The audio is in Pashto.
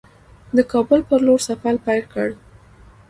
د کابل پر لور سفر پیل کړ.